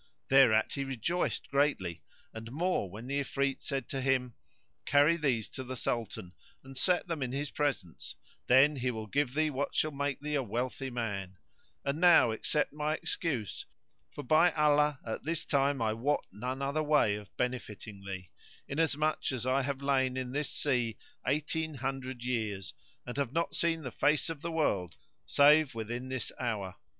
Thereat he rejoiced greatly and more when the Ifrit said to him, "Carry these to the Sultan and set them in his presence; then he will give thee what shall make thee a wealthy man; and now accept my excuse, for by Allah at this time I wot none other way of benefiting thee, inasmuch I have lain in this sea eighteen hundred years and have not seen the face of the world save within this hour.